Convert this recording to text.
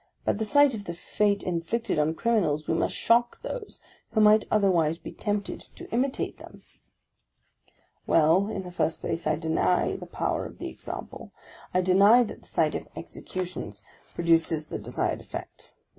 By the sight of the fate inflicted on criminals, we must shock those who might otherwise bo tempted to imitate them !" Well, in the first place, I deny the power of the example. I deny that the sight of executions produces the desired effect.